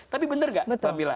tapi bener gak